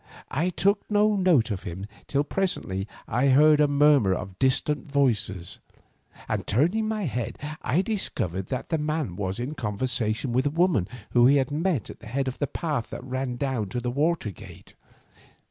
I took no note of him till presently I heard a murmur of distant voices, and turning my head I discovered that the man was in conversation with a woman whom he had met at the head of the path that ran down to the water gate.